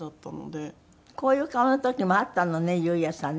こういう顔の時もあったのね裕也さんね。